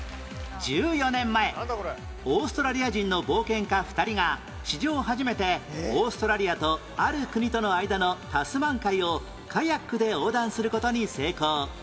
１４年前オーストラリア人の冒険家２人が史上初めてオーストラリアとある国との間のタスマン海をカヤックで横断する事に成功